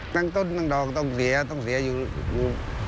ทั้งต้นทั้งดอกต้องเสียต้องเสียอยู่